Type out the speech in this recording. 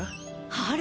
あれ？